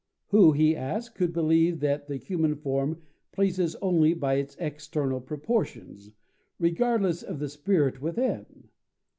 Who, he asked, could believe that the human form pleases only by its external proportions, regardless of the spirit within.